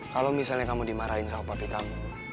kalau misalnya kamu dimarahin sama papi kamu